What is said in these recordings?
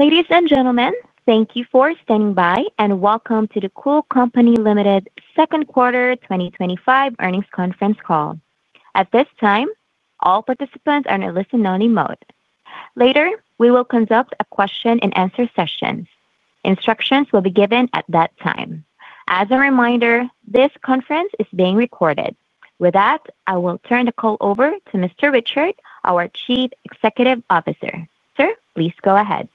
Ladies and gentlemen, thank you for standing by and welcome to the Cool Company Limited's Second Quarter 2025 Earnings Conference Call. At this time, all participants are in a listen-only mode. Later, we will conduct a question-and-answer session. Instructions will be given at that time. As a reminder, this conference is being recorded. With that, I will turn the call over to Mr. Richard, our Chief Executive Officer. Sir, please go ahead.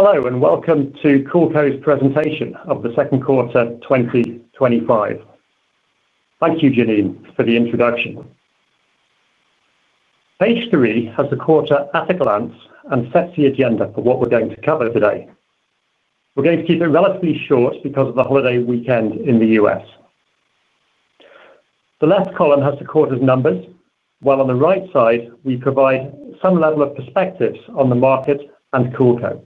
Hello and welcome to Cool Company's Presentation of the Second Quarter 2025. Thank you, Janine for the introduction. Page three has the quarter at a glance, and sets the agenda for what we're going to cover today. We're going to keep it relatively short because of the holiday weekend in the U.S. The left column has the quarter's numbers, while on the right side, we provide some level of perspectives on the markets and CoolCo.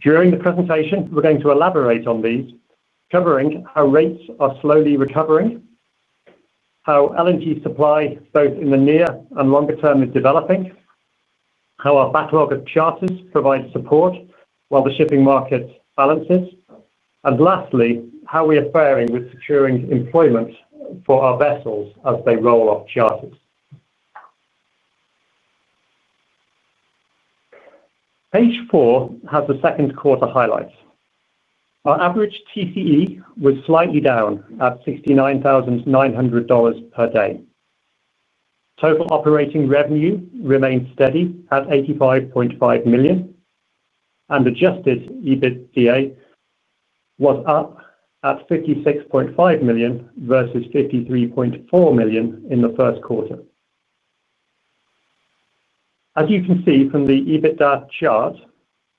During the presentation, we're going to elaborate on these, covering how rates are slowly recovering, how LNG supply both in the near and longer term is developing, how our backlog of charters provides support while the shipping market balances, and lastly, how we are faring with securing employments for our vessels as they roll off charters. Page four has the second quarter highlights. Our average TCE was slightly down, at $69,900 per day. Total operating revenue remained steady at $85.5 million, and adjusted EBITDA was up at $56.5 million versus $53.4 million in the first quarter. As you can see from the EBITDA chart,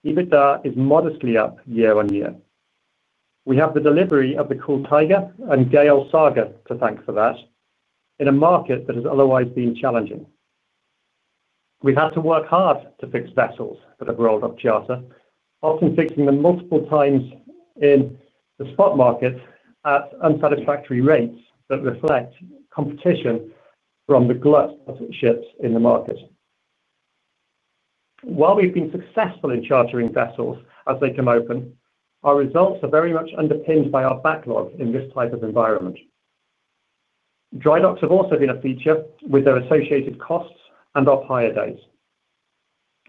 EBITDA is modestly up year-on-year. We have the delivery of the Cool Tiger and Gale Saga to thank for that, in a market that has otherwise been challenging. We've had to work hard to fix vessels that have rolled off charter, often fixing them multiple times in the spot market at unsatisfactory rates that reflect competition from the glut of ships in the markets. While we've been successful in chartering vessels as they come open, our results are very much underpinned by our backlog in this type of environment. Dry docks have also been a feature with their associated costs and off-hire days.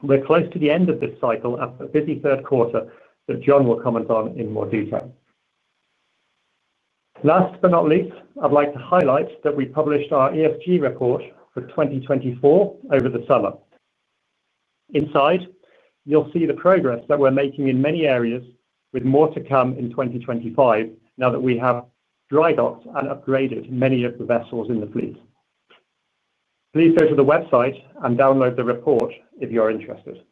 We're close to the end of this cycle at the busy third quarter that John will comment on in more detail. Last but not least, I'd like to highlight that we published our ESG report for 2024 over the summer. Inside, you'll see the progress that we're making in many areas, with more to come in 2025 now that we have dry docks and upgraded many of the vessels in the fleet. Please go to the website and download the report if you're interested.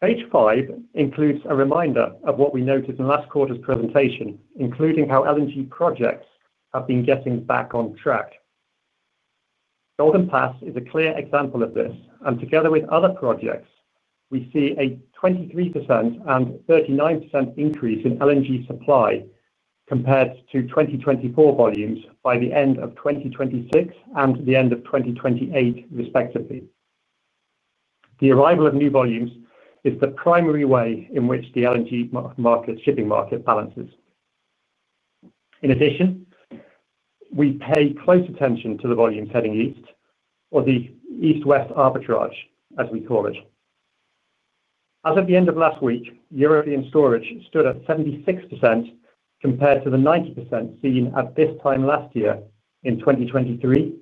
Page five includes a reminder of what we noted in last quarter's presentation, including how LNG projects have been getting back on track. Golden Pass is a clear example of this, and together with other projects, we see a 23% and 39% increase in LNG supply compared to 2024 volumes by the end of 2026 and the end of 2028, respectively. The arrival of new volumes is the primary way in which the LNG shipping market balances. In addition, we pay close attention to the volume heading east or the east-west arbitrage, as we call it. As of the end of last week, European storage stood at 76%, compared to the 90% being at this time last year in 2023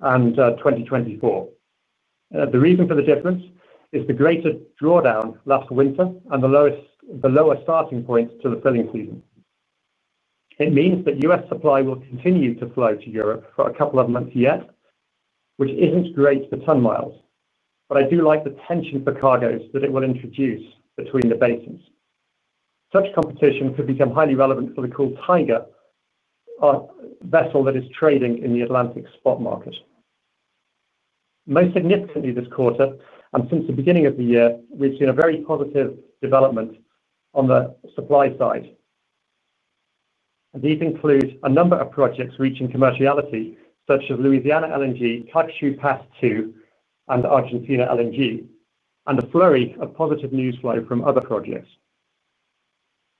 and 2024. The reason for the difference is the greater drawdown last winter, and the lower starting point to the filling season. It means that U.S. supply will continue to flow to Europe for a couple of months yet, which isn't great for ton miles, but I do like the tension for cargoes that it will introduce between the basins. Such competition could become highly relevant for the Cool Tiger, a vessel that is trading in the Atlantic spot market. Most significantly this quarter and since the beginning of the year, we've seen a very positive development on the supply side. These include a number of projects reaching commerciality, such as Louisiana LNG, Kaikou Pass 2 and Argentina LNG, and a flurry of positive news flow from other projects.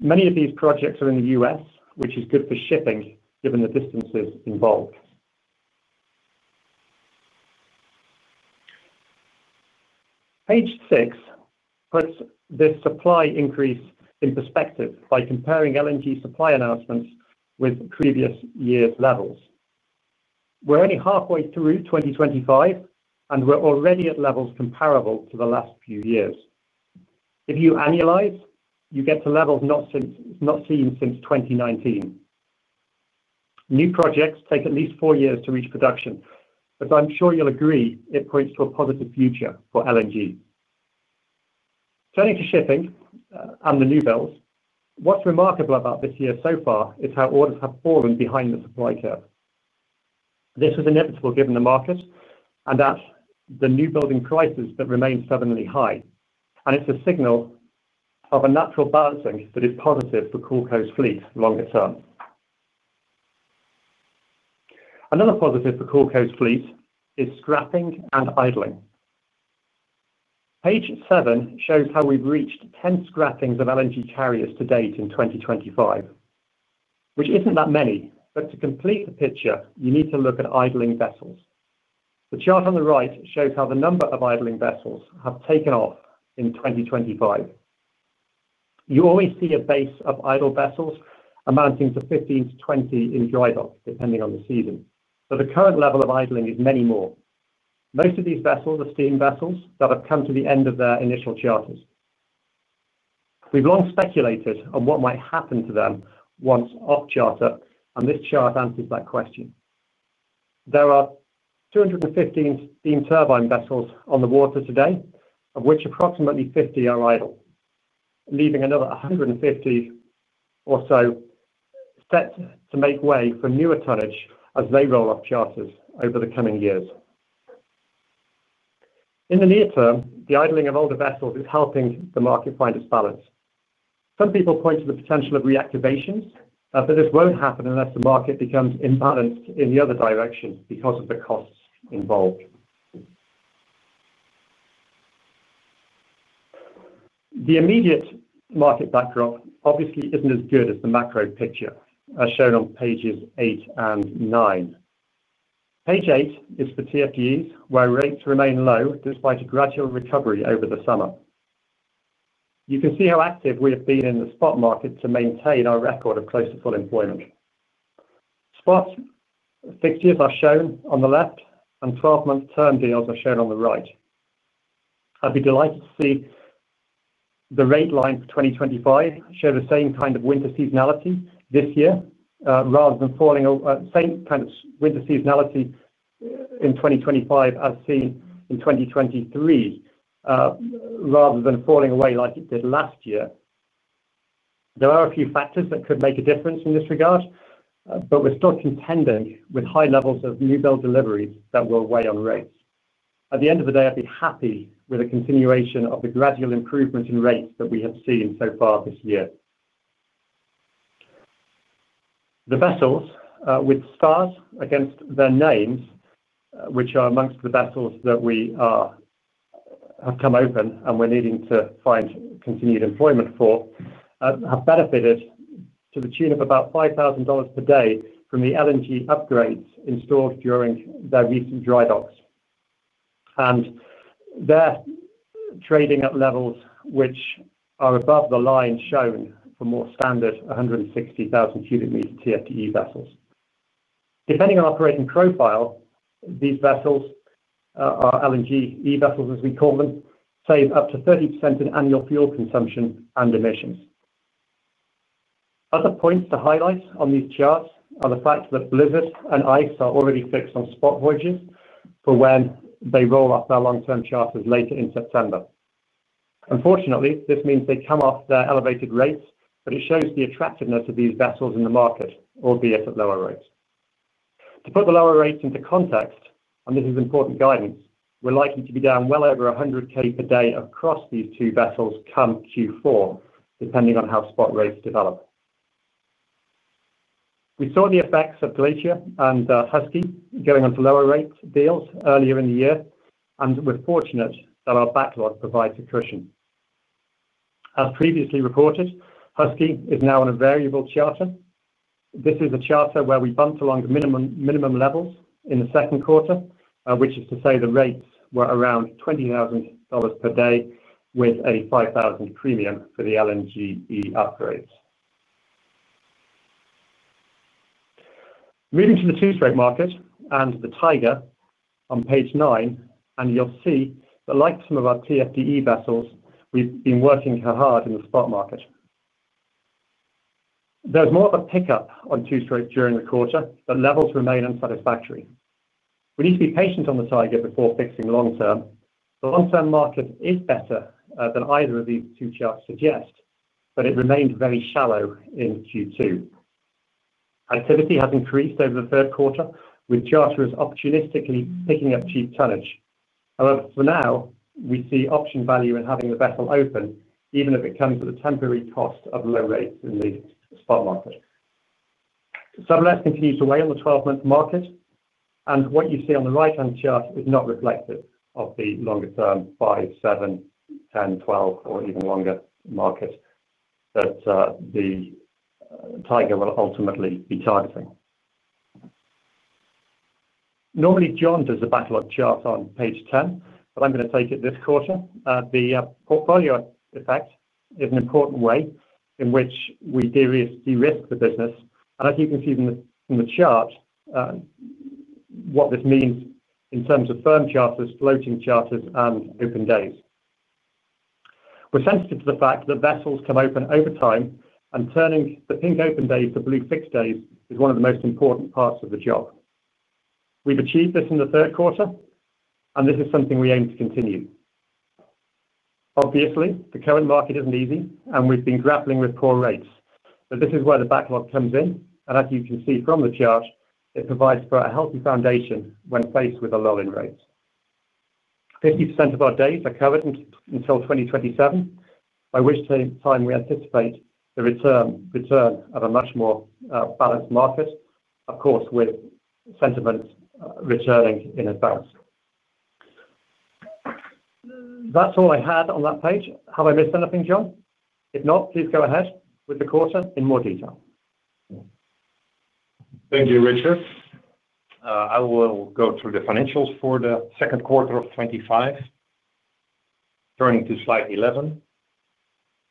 Many of these projects are in the U.S., which is good for shipping given the distances involved. Page six puts this supply increase in perspective, by comparing LNG supply announcements with previous year's levels. We're only halfway through 2025, and we're already at levels comparable to the last few years. If you annualize, you get to levels not seen since 2019. New projects take at least four years to reach production, but I'm sure you'll agree it points to a positive future for LNG. Turning to shipping and the new builds, what's remarkable about this year so far, is how orders have fallen behind the supply curve. This was inevitable given the markets, and as the new building prices that remain stubbornly high. It's a signal of a natural balancing that is positive for CoolCo's fleet longer term. Another positive for CoolCo's fleet is scrapping and idling. Page seven shows how we've reached 10 scrappings of LNG carriers to date in 2025, which isn't that many, but to complete the picture, you need to look at idling vessels. The chart on the right shows how the number of idling vessels has taken off in 2025. You always see a base of idle vessels amounting to 15-20 in dry docks, depending on the season, but the current level of idling is many more. Most of these vessels are steam vessels that have come to the end of their initial charters. We've long speculated on what might happen to them once off charter, and this chart answers that question. There are 215 steam turbine vessels on the water today, of which approximately 50 are idle, leaving another 150 or so set to make way for newer tonnage as they roll off charters over the coming years. In the near term, the idling of older vessels is helping the market find its balance. Some people point to the potential of reactivations, but this won't happen unless the market becomes imbalanced in the other direction because of the costs involved. The immediate market backdrop obviously isn't as good as the macro picture, as shown on pages eight and nine. Page eight is for TFDEs, where rates remain low despite a gradual recovery over the summer. You can see how active we have been in the spot market to maintain our record of close to full employment. Spot fixtures are shown on the left, and 12-month term deals are shown on the right. I'd be delighted to see the rate line for 2025 show the same kind of winter seasonality this year, rather than same kind of winter seasonality in 2025 as seen in 2023, rather than falling away like it did last year. There are a few factors that could make a difference in this regard, but we're still contending with high levels of newbuild deliveries that will weigh on rates. At the end of the day, I'd be happy with a continuation of the gradual improvement in rates that we have seen so far this year. The vessels with stars against their names, which are amongst the vessels that have come open and we're needing to find continued employment for, have benefited to the tune of about $5,000 per day from the LNG upgrades installed during their recent dry docks. They're trading at levels which are above the line shown for more standard 160,000 m³ TFDE vessels. Depending on the operating profile, these vessels, our LNG e-vessels, as we call them, save up to 30% in annual fuel consumption and emissions. Other points to highlight on these charts are the fact that KOOL BLIZZARD and ICE are already fixed on spot voyages for when they roll off their long-term charters later in September. Unfortunately, this means they come off their elevated rates, but it shows the attractiveness of these vessels in the market, albeit at lower rates. To put the lower rates into context, and this is important guidance, we're likely to be down well over $100,000 per day across these two vessels come Q4, depending on how spot rates develop. We saw the effects of GLACIER and HUSKY going on to lower-rate deals earlier in the year, and we're fortunate that our backlog provides a cushion. As previously reported, Husky is now on a variable charter. This is a charter where we bumped along the minimum levels in the second quarter, which is to say the rates were around $20,000 per day, with a $5,000 premium for the LNG e-upgrades. Moving to the two-stroke market and the Tiger on page nine, and you'll see that like some of our TFDE vessels, we've been working hard in the spot market. There's more of a pickup on two-stroke during the quarter, but levels remain unsatisfactory. We need to be patient on the Tiger before fixing long-term. The long-term market is better than either of these two charts suggests, but it remained very shallow in Q2. Activity has increased over the third quarter, with charters opportunistically picking up cheap tonnage. However, for now, we see option value in having the vessel open, even if it's coming at the temporary cost of low rates in these spot markets. Some of that continues to weigh on the 12-month market, and what you see on the right-hand chart is not reflective of the longer-term five, seven, 10, 12, or even longer market that Tiger will ultimately be targeting. Normally, John does the backlog chart on page 10, but I'm going to take it this quarter. The portfolio effect is an important way in which we de-risk the business. As you can see from the chart, what this means in terms of firm charts is floating charts and open days. We're sensitive to the fact that vessels come open over time, and turning the pink open days to blue fixed days is one of the most important parts of the job. We've achieved this in the third quarter, and this is something we aim to continue. Obviously, the current market isn't easy, and we've been grappling with poor rates. This is where the backlog comes in, and as you can see from the chart, it provides for a healthy foundation when faced with a lull in rates. 50% of our days are covered until 2027, by which time we anticipate the return of a much more balanced market, of course with sentiments returning in advance. That's all I had on that page. Have I missed anything, John? If not, please go ahead with the quarter in more detail. Thank you, Richard. I will go through the financials for the second quarter of 2025. Turning to slide 11.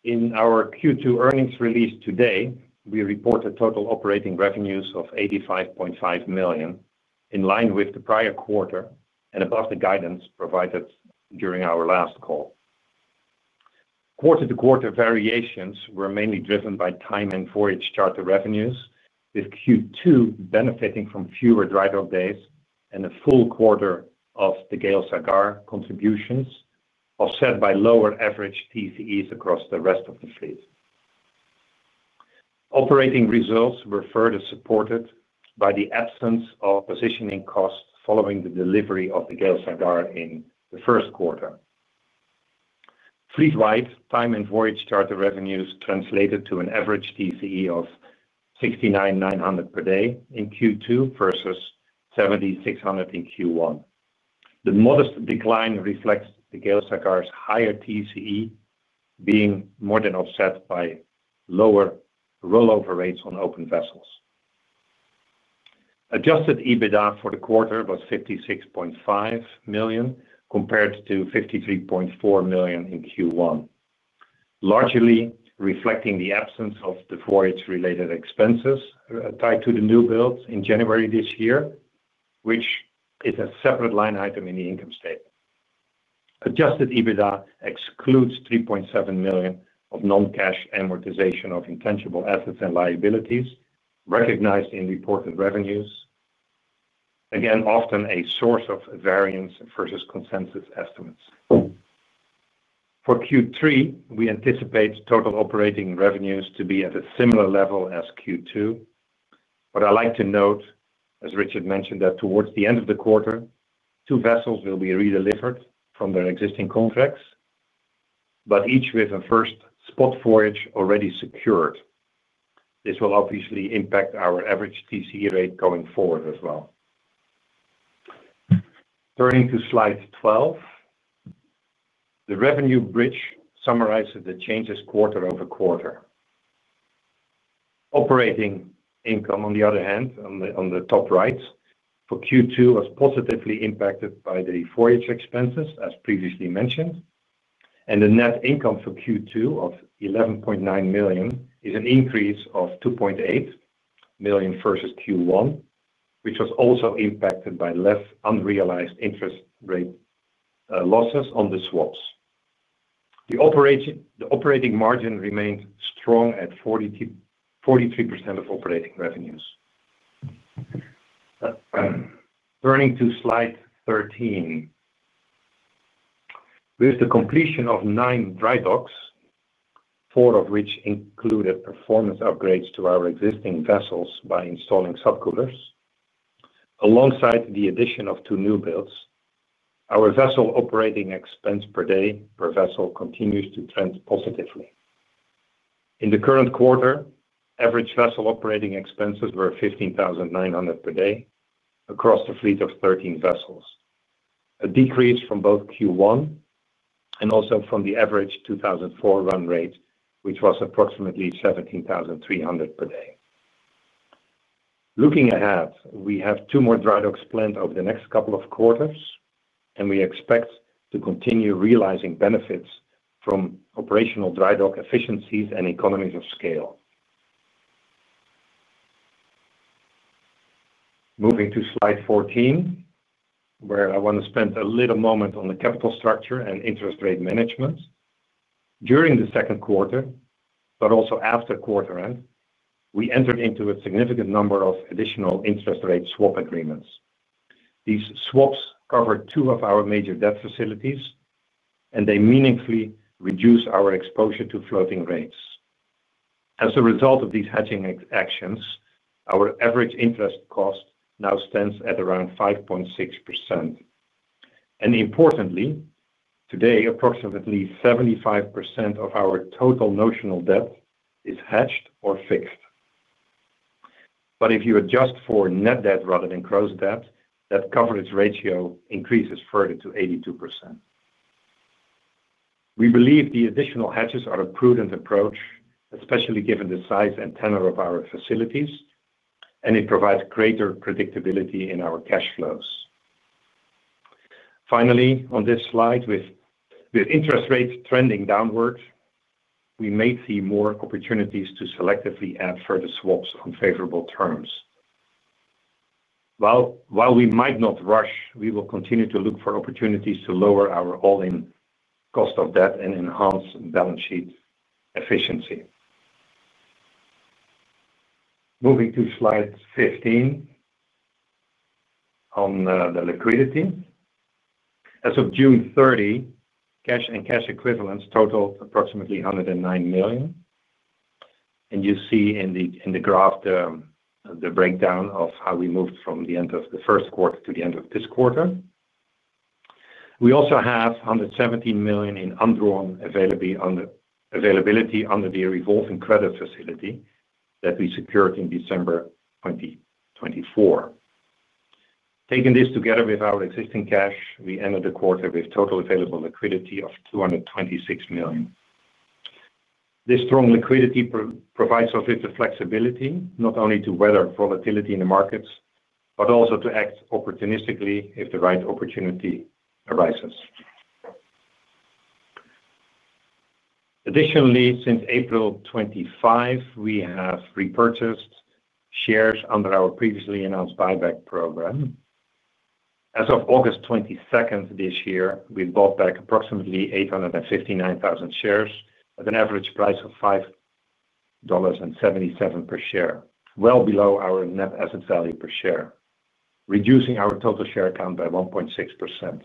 In our Q2 earnings release today, we reported total operating revenues of $85.5 million, in line with the prior quarter and above the guidance provided during our last call. Quarter-to-quarter variations were mainly driven by time and voyage charter revenues, with Q2 benefiting from fewer dry dock days and a full quarter of the Gale Saga contributions, offset by lower average TCEs across the rest of the fleet. Operating results were further supported by the absence of positioning costs following the delivery of the Gale Saga in the first quarter. Fleet-wide, time and voyage charter revenues translated to an average TCE of $69,900 per day in Q2 versus $7,600 in Q1. The modest decline reflects the Gale Saga's higher TCE being more than offset by lower rollover rates on open vessels. Adjusted EBITDA for the quarter was $56.5 million compared to $53.4 million in Q1, largely reflecting the absence of the voyage-related expenses tied to the newbuilds in January this year, which is a separate line item in the income statement. Adjusted EBITDA excludes $3.7 million of non-cash amortization of intangible assets and liabilities recognized in reported revenues, again often a source of variance versus consensus estimates. For Q3, we anticipate total operating revenues to be at a similar level as Q2. What I'd like to note, as Richard mentioned, that towards the end of the quarter, two vessels will be redelivered from their existing contracts, but each with a first spot voyage already secured. This will obviously impact our average TCE rate going forward as well. Turning to slide 12, the revenue bridge summarizes the changes quarter-over-quarter. Operating income, on the other hand, on the top right for Q2 was positively impacted by the voyage expenses, as previously mentioned, and the net income for Q2 of $11.9 million is an increase of $2.8 million versus Q1, which was also impacted by less unrealized interest rate losses on the swaps. The operating margin remained strong at 43% of operating revenues. Turning to slide 13. With the completion of nine dry docks, four of which included performance upgrades to our existing vessels by installing subcoolers, alongside the addition of two newbuilds, our vessel operating expense per day per vessel continues to trend positively. In the current quarter, average vessel operating expenses were $15,900 per day across the fleet of 13 vessels, a decrease from both Q1 and also from the average 2024 run rate, which was approximately $17,300 per day. Looking ahead, we have two more dry docks planned over the next couple of quarters, and we expect to continue realizing benefits from operational dry dock efficiencies and economies of scale. Moving to slide 14, where I want to spend a little moment on the capital structure and interest rate management. During the second quarter, but also after quarter end, we entered into a significant number of additional interest rate swap agreements. These swaps cover two of our major debt facilities, and they meaningfully reduce our exposure to floating rates. As a result of these hedging actions, our average interest cost now stands at around 5.6%. Importantly, today, approximately 75% of our total notional debt is hedged or fixed. If you adjust for net debt rather than gross debt, that coverage ratio increases further to 82%. We believe the additional hedges are a prudent approach, especially given the size and tenor of our facilities, and it provides greater predictability in our cash flows. Finally, on this slide, with interest rates trending downwards, we may see more opportunities to selectively add further swaps on favorable terms. While we might not rush, we will continue to look for opportunities to lower our all-in cost of debt and enhance balance sheet efficiency. Moving to slide 15 on the liquidity. As of June 30, cash and cash equivalents totaled approximately $109 million. You see in the graph, the breakdown of how we moved from the end of the first quarter to the end of this quarter. We also have $170 million in undrawn availability under the revolving credit facility that we secured in December 2024. Taking this together with our existing cash, we ended the quarter with total available liquidity of $226 million. This strong liquidity provides us with the flexibility not only to weather volatility in the markets, but also to act opportunistically if the right opportunity arises. Additionally, since April 25, we have repurchased shares under our previously announced buyback program. As of August 22 this year, we bought back approximately 859,000 shares at an average price of $5.77 per share, well below our net asset value per share, reducing our total share count by 1.6%.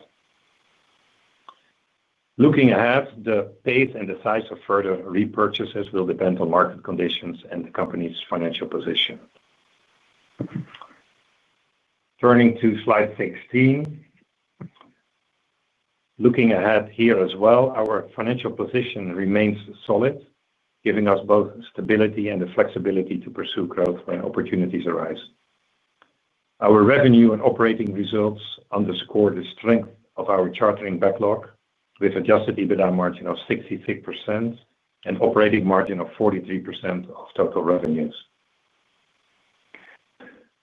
Looking ahead, the pace and the size of further repurchases will depend on market conditions and the company's financial position. Turning to slide 16, looking ahead here as well, our financial position remains solid, giving us both stability and the flexibility to pursue growth when opportunities arise. Our revenue and operating results underscore the strength of our chartering backlog, with an adjusted EBITDA margin of 66% and an operating margin of 43% of total revenues.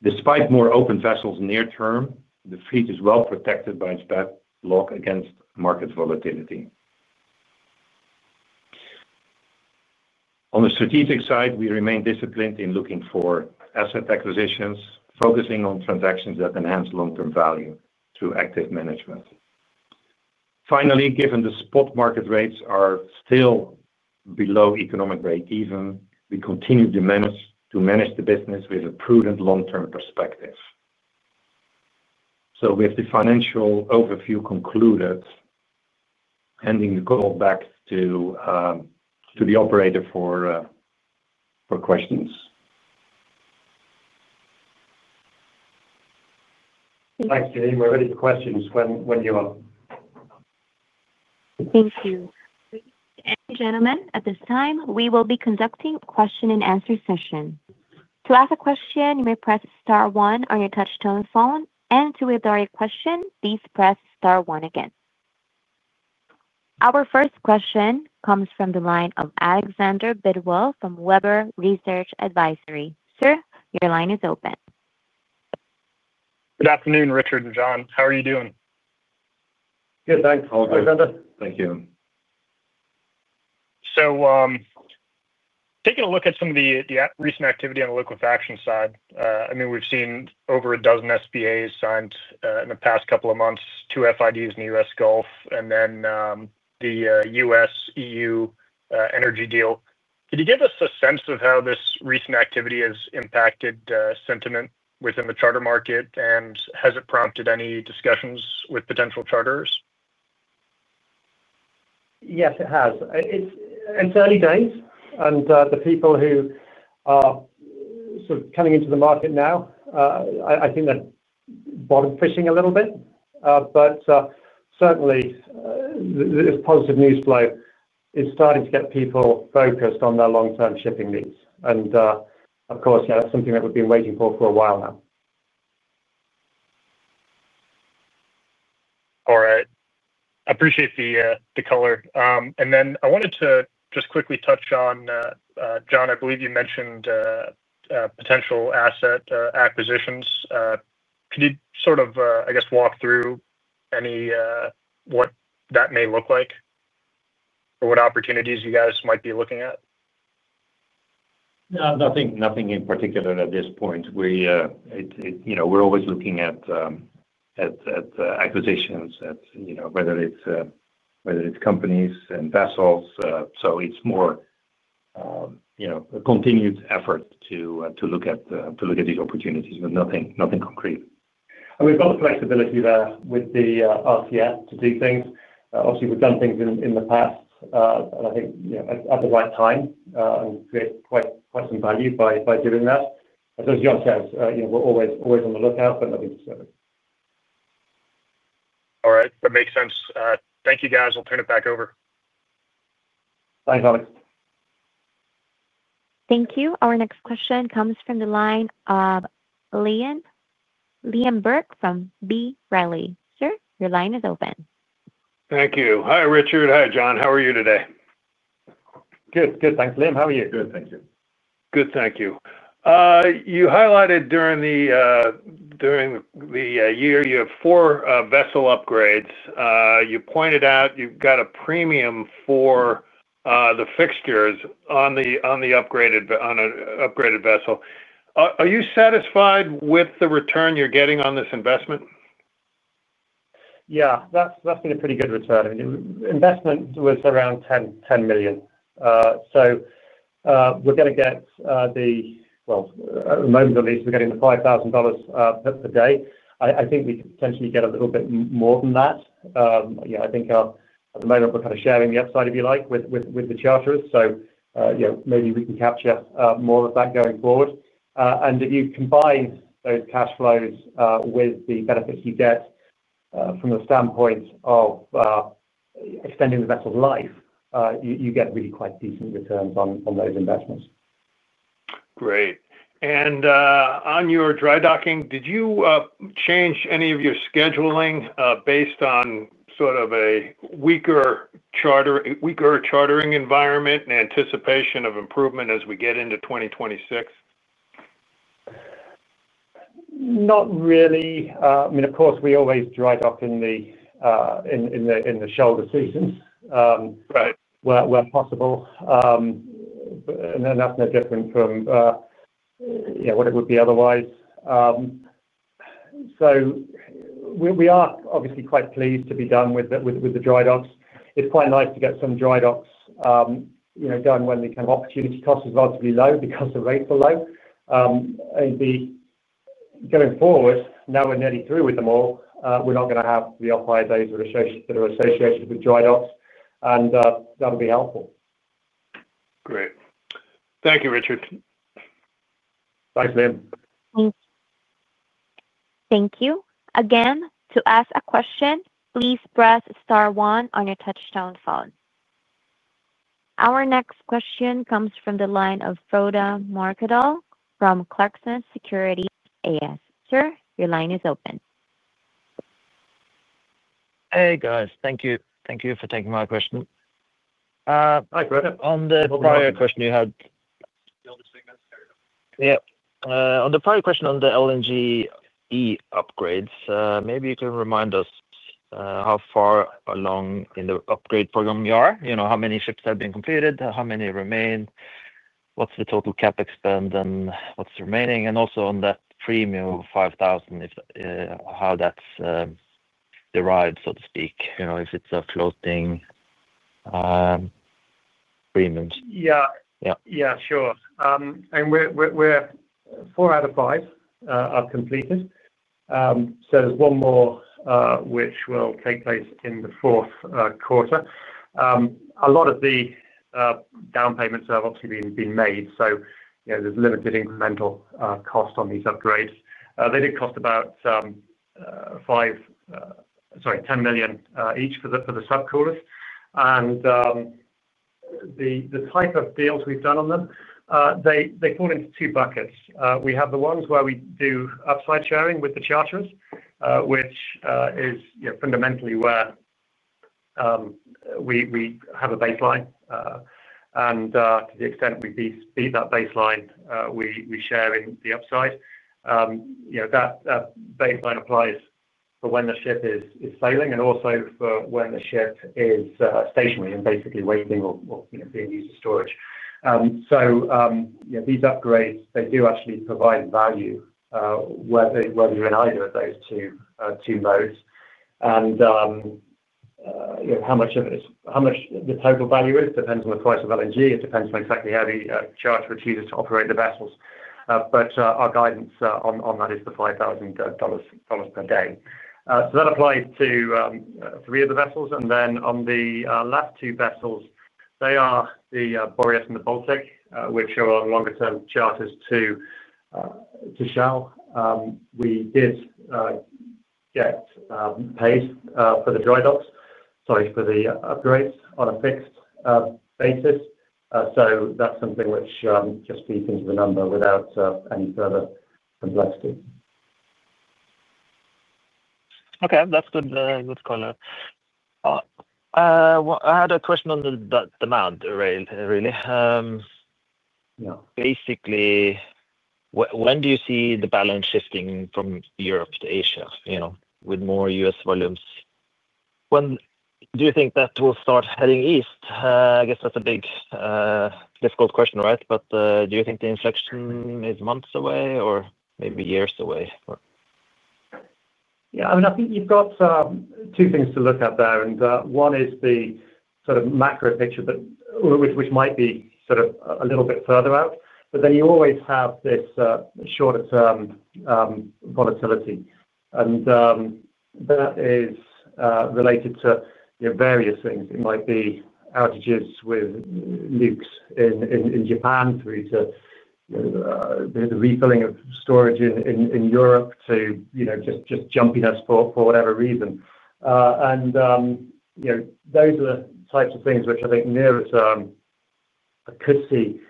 Despite more open vessels near term, the fleet is well protected by its backlog against market volatility. On the strategic side, we remain disciplined in looking for asset acquisitions, focusing on transactions that enhance long-term value through active management. Finally, given the spot market rates are still below economic break-even, we continue to manage the business with a prudent long-term perspective. With the financial overview concluded, handing the call back to the operator for questions. Thanks, Janine. We're ready for questions when you are. Thank you. Ladies and gentlemen, at this time, we will be conducting a question-and-answer session. To ask a question, you may press star one on your touch telephone. To withdraw your question, please press star one again. Our first question comes from the line of Alexander Bidwell from Webber Research & Advisory. Sir, your line is open. Good afternoon, Richard and John. How are you doing? Good. Thanks, Alexander. All good, thank you. Taking a look at some of the recent activity on the liquefaction side, I mean, we've seen over a dozen SPAs signed in the past couple of months, two FIDs in the U.S. Gulf and then the U.S.-EU energy deal. Could you give us a sense of how this recent activity has impacted sentiment within the charter market, and has it prompted any discussions with potential charterers? Yes, it has. It's early days, and the people who are sort of coming into the market now, I think they're bottom fishing a little bit. Certainly, this positive news flow is starting to get people focused on their long-term shipping needs. Of course, yeah, that's something that we've been waiting for, for a while now. All right. I appreciate the color. I wanted to just quickly touch on, John, I believe you mentioned potential asset acquisitions. Can you sort of walk through what that may look like or what opportunities you guys might be looking at? No, nothing in particular at this point. We're always looking at acquisitions, whether it's companies and vessels. It's more a continued effort to look at these opportunities, but nothing concrete. We've got the flexibility there with the RCF to do things. Obviously, we've done things in the past, and I think at the right time, we have quite some value by doing that. As John says, we're always on the lookout, but nothing specific. All right. That makes sense. Thank you, guys. Will turn it back over. Thanks, Alex. Thank you. Our next question comes from the line of Liam Burke from B. Riley. Sir, your line is open. Thank you. Hi, Richard. Hi, John. How are you today? Good, good. Thanks, Liam. How are you? Good, thank you. Good, thank you. You highlighted during the year four vessel upgrades, you pointed out you've got a premium for the fixtures on the upgraded vessel. Are you satisfied with the return you're getting on this investment? Yeah, that's been a pretty good return. I mean, the investment was around $10 million. At the moment at least, we're getting the $5,000 per day. I think we could potentially get a little bit more than that. I think at the moment we're sharing the upside, if you like, with the charters. You know, maybe we can capture more of that going forward. If you've combined those cash flows with the benefits you get from the standpoint of extending the vessel's life, you get really quite decent returns on those investments. Great. On your dry docking, did you change any of your scheduling based on a weaker chartering environment in anticipation of improvement as we get into 2026? Not really. I mean, of course, we always dry dock in the shoulder seasons where possible. That's no different from what it would be otherwise. We are obviously quite pleased to be done with the dry docks. It's quite nice to get some dry docks done when the opportunity cost is relatively low because the rates are low. Going forward, now we're nearly through with them all, we're not going to have the off-hire days that are associated with dry docks. That'll be helpful. Great. Thank you, Richard. Thanks, Liam. Thank you. Again, to ask a question, please press star one on your touchtone phone. Our next question comes from the line of Frode Morkedal from Clarksons Securities AS. Sir, your line is open. Hey, guys. Thank you for taking my question. Hi, Frode. On the prior question you had, on the prior question on the LNG e-upgrades, maybe you can remind us how far along in the upgrade program you are. You know, how many ships have been completed, how many remain, what's the total CapEx spend and what's the remaining? Also, on that premium of $5,000, how that's derived, so to speak, if it's a floating premium. Yeah, sure. Four out of five completed. There's one more which will take place in the fourth quarter. A lot of the down payments have obviously been made, so there's limited incremental cost on these upgrades. They did cost about $10 million each for the subcoolers. The type of deals we've done on them, they fall into two buckets. We have the ones where we do upside sharing with the charters, which is fundamentally where we have a baseline and to the extent we beat that baseline, we share in the upside. That baseline applies for when the ship is sailing and also for when the ship is stationary, and basically waiting or being used for storage. These upgrades, they do actually provide value whether you're in either of those two modes. How much the total value is depends on the price of LNG. It depends on exactly how the charter chooses to operate the vessels. Our guidance on that is the $5,000 per day. That applies to three of the vessels. On the last two vessels, they are the Boreas and the Baltic, which are on longer-term charters to Shell. We did get paid for the upgrades on a fixed basis. That's something which just feeds into the number without any further complexity. Okay, that's good. Good call. I had a question on the demand really. Basically, when do you see the balance shifting from Europe to Asia with more U.S. volumes? When do you think that will start heading east? That's a big, difficult question. Do you think the inflection is months away or maybe years away? Yeah, I mean, I think you've got two things to look at there. One is the sort of macro picture, which might be a little bit further out. You always have this shorter-term volatility, and that is related to various things. It might be outages with leaks in Japan, through to the refilling of storage in Europe, to just jumpiness for whatever reason. Those are the types of things which I think nearer-term, I could see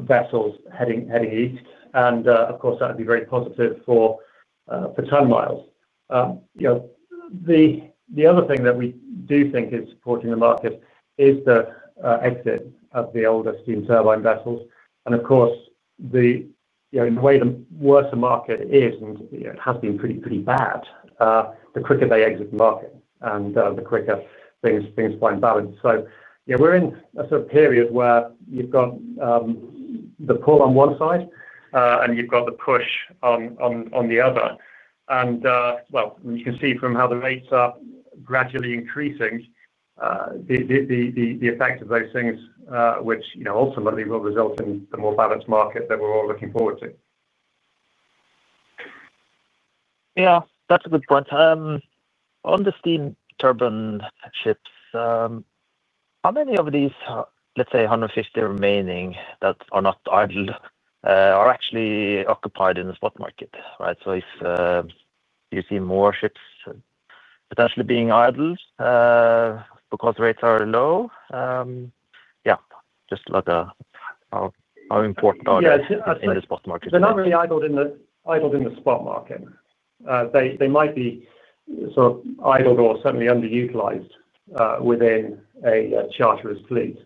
vessels heading east. Of course, that would be very positive for ton miles. The other thing that we do think is supporting the market is the exit of the older steam turbine vessels. Of course, in the way the worse a market is and it has been pretty, pretty bad, the quicker they exit the market and the quicker things find balance. We're in a sort of period where you've got the pull on one side and you've got the push on the other. You can see from how the rates are gradually increasing, the effects of those things, ultimately will result in the more balanced market that we're all looking forward to. Yeah, that's a good point. On the steam turbine vessels, how many of these, let's say, 150 remaining that are not idled, are actually occupied in the spot market, right? If you see more vessels potentially being idled because rates are low, just how important are they in the spot market? They're not really idled in the spot market. They might be sort of idled or certainly underutilized within a charter's fleet.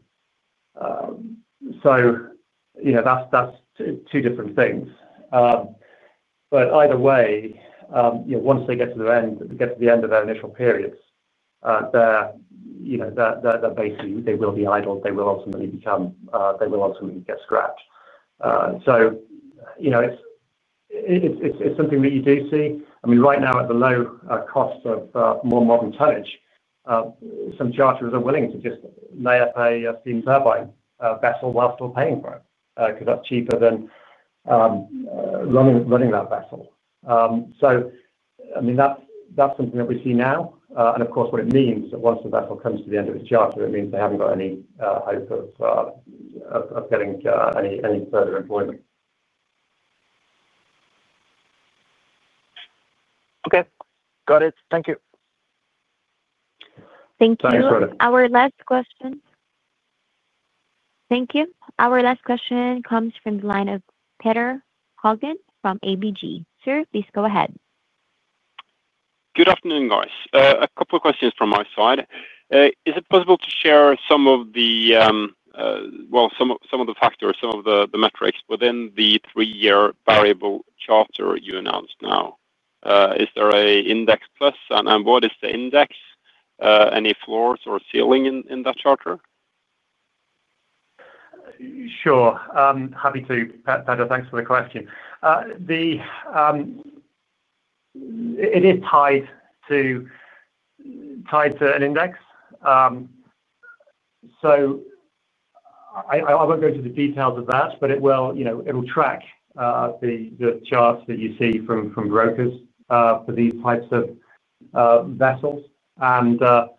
That's two different things. Either way, once they get to the end of their initial periods, basically they will be idled. They will ultimately get scrapped. It's something that you do see. Right now, at the low cost of more modern tonnage, some charters are willing to just lay up a steam turbine vessel while still paying for it, because that's cheaper than running that vessel. That's something that we see now. Of course, what it means is that once the vessel comes to the end of its charter, it means they haven't got any hope of getting any further employment. Okay, got it. Thank you. Thanks, Frode. Thank you. Our last question comes from the line of Petter Haugen from ABG. Sir, please go ahead. Good afternoon, guys. A couple of questions from my side. Is it possible to share some of the factors, some of the metrics within the three-year variable charter you announced now? Is there an index plus? What is the index? Any floors or ceiling in that charter? Sure, happy to. Petter, thanks for the question. It is tied to an index. I won't go into the details of that, but it'll track the charts that you see from brokers for these types of vessels. The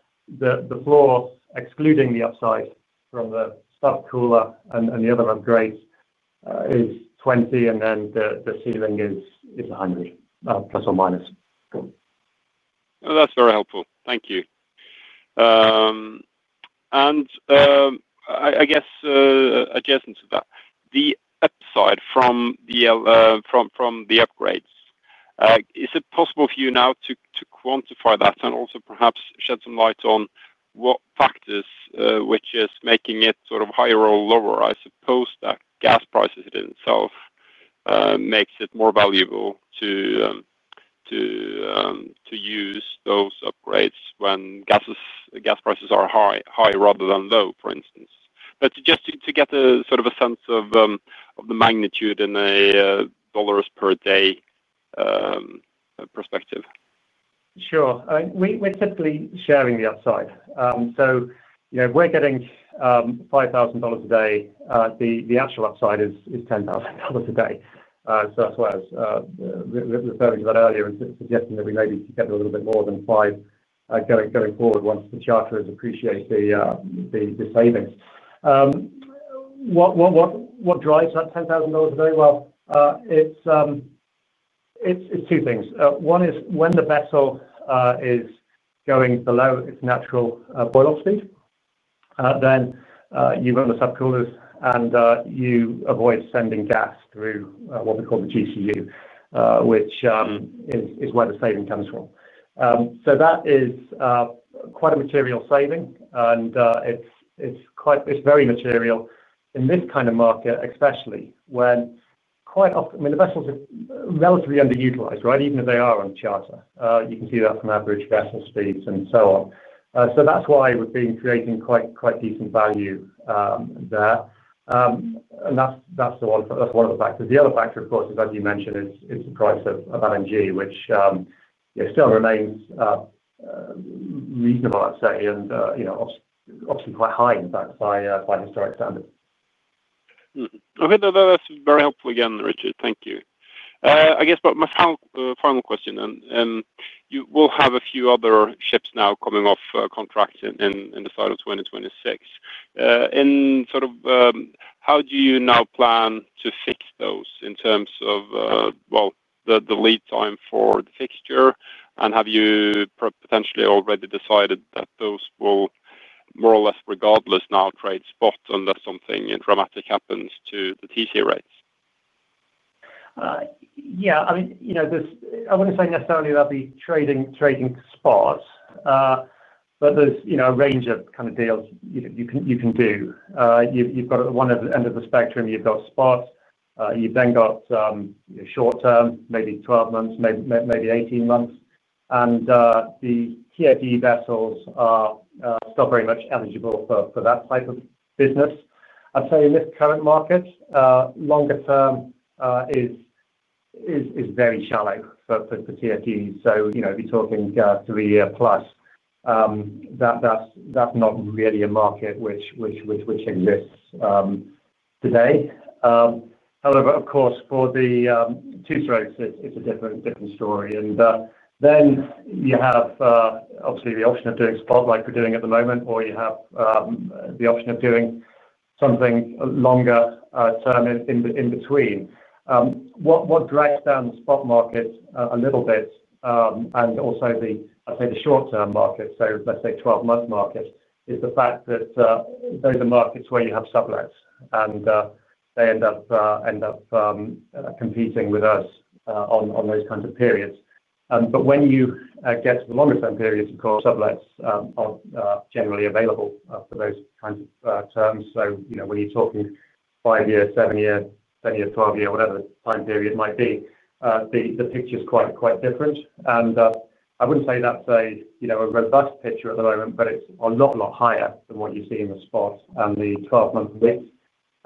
floor, excluding the upside from the subcooler and the other upgrades, is $20 and the ceiling is $100±. That's very helpful. Thank you. I guess adjacent to that, the upside from the upgrades, is it possible for you now to quantify that and also perhaps shed some light on what factors which are making it sort of higher or lower? I suppose that gas prices in itself makes it more valuable to use those upgrades when the gas prices are high rather than low, for instance. Just to get a sense of the magnitude in a dollars per day perspective. Sure. We're typically sharing the upside. If we're getting $5,000 a day, the actual upside is $10,000 a day. That's why I was referring to that earlier, it's suggesting that we maybe get a little bit more than five going forward once the charters appreciate the savings. What drives that $10,000 a day? It's two things. One is when the vessel is going below its natural boil-off speed, then you run the subcoolers and you avoid sending gas through what we call the GCU, which is where the saving comes from. That is quite a material saving and it's very material in this kind of market, especially when quite often the vessels are relatively underutilized even if they are on charter. You can see that from average vessel speeds and so on. That's why we've been creating quite decent value there. That's one of the factors. The other factor of course, is that you mentioned it's the price of LNG, which still remains reasonable, I'd say and obviously quite high in fact by historic standards. Okay. No, that's very helpful again, Richard. Thank you. I guess my final question then, you will have a few other ships now coming off contracts in the start of 2026. How do you now plan to fix those in terms of the lead time for the fixture? Have you potentially already decided that those will more or less regardless, now trade spot unless something dramatic happens to the TC rates? Yeah. I wouldn't say necessarily that'd be trading spot, but there's a range of deals you can do. One, at the end of the spectrum, you've got spots. You then got short-term, maybe 12 months, maybe 18 months. The TFDE vessels are still very much eligible for that type of business. I'd say in this current market, longer term is very shallow, perfect for TCE. If you're talking three-year plus, that's not really a market which exists today. However, of course for the two strokes, it's a different story. You have obviously the option of doing spot like we're doing at the moment, or you have the option of doing something longer term in between. What drags down the spot market a little bit, and also I'd say, the short-term market, so let's say 12-month market, is the fact that those are markets where you have sublets, and they end up competing with us on those kinds of periods. When you get to the longer-term periods, of course sublets are generally available for those kinds of terms. When you're talking five-year, seven-year, 10-year, 12-year, whatever the time period might be, the picture is quite different. I wouldn't say that's a robust picture at the moment, but it's a lot, lot higher than what you see in the spots and the 12-month width.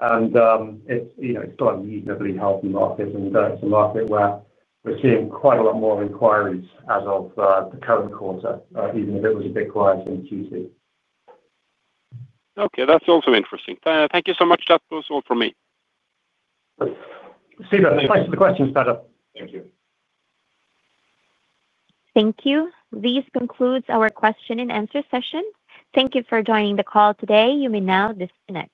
It's got an evenly healthy market, and it's a market where we're seeing quite a lot more inquiries as of the current quarter, even if it was a bit quiet in Q2. Okay, that's also interesting. Thank you so much. That was all from me. Super. Thanks for the questions, Petter. Thank you. This concludes our question-and-answer session. Thank you for joining the call today. You may now disconnect.